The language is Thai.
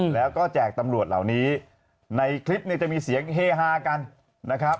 แล้วก็แจกตำรวจเหล่านี้ในคลิปเนี่ยจะมีเสียงเฮฮากันนะครับ